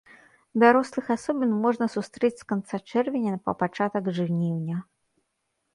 Дарослых асобін можна сустрэць з канца чэрвеня па пачатак жніўня.